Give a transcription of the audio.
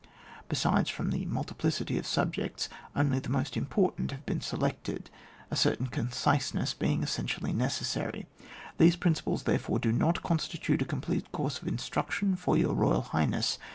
Be sides, from the multiplicity of subjects, only the most important have been se lected, a certain conciseness being essen tially necessary. These principles, there fore, do not constitute a complete course of instruction for your Boyal Highness.